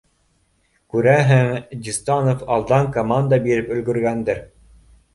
Күрәһең, Дистанов алдан команда биреп өлгөргәндер